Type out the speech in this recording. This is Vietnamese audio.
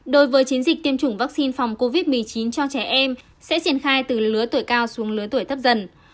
đối với chiến dịch tiêm chủng vaccine phòng covid một mươi chín cho trẻ em sẽ triển khai từ lứa tuổi cao xuống lứa tuổi thấp dần